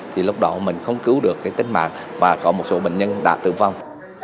thì lúc đó mình không cứu được cái tính mạng và có một số bệnh nhân đã tử vong